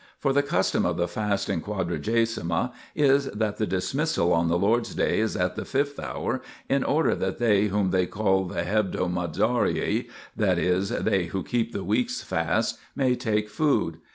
For the custom of the fast in Quadragesima is that the dismissal on the Lord's Day is at the fifth hour in order that they whom they call hebdomadarii, that is, they who keep the weeks' fast, may take food.